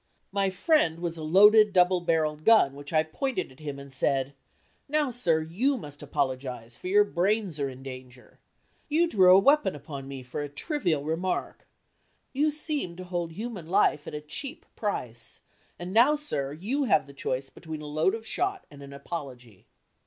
My friend was a loaded double barreled gun which I pointed at him and said: "Now, sir, you must apologize, for your brains are in danger. You drew a weapon upon me for a trivial remark. You seem to hold human life at a cheap price; and now, sir, you have the choice between a load of shot and an apology."